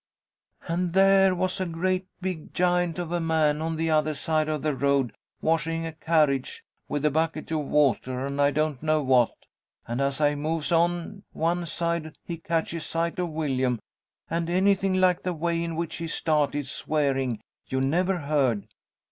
"And there was a great big giant of a man on the other side of the road, washing a carriage, with a bucket of water and I don't know what, and as I moves on one side he catches sight of Willyum, and anything like the way in which he started swearing you never heard.